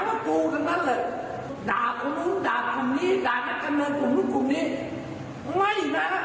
มึงก็ชอบเอากูไปยุ่งตลอดเลย